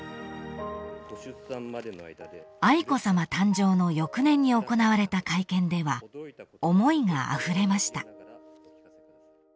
［愛子さま誕生の翌年に行われた会見では思いがあふれました］